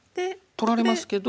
取られますけど。